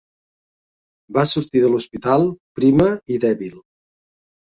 Va sortir de l'hospital prima i dèbil.